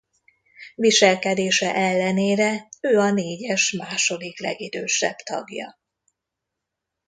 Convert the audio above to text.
Viselkedése ellenére ő a négyes második legidősebb tagja.